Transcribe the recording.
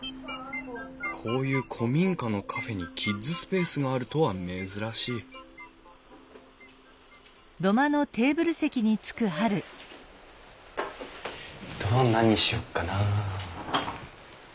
こういう古民家のカフェにキッズスペースがあるとは珍しい頼むの何にしようかな。